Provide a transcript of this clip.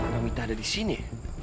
mbak mita ada di sini